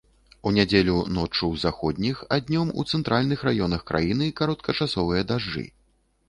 У нядзелю ноччу ў заходніх, а днём і ў цэнтральных раёнах краіны кароткачасовыя дажджы.